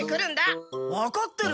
わかってる。